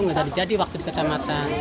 nggak jadi jadi waktu di kecamatan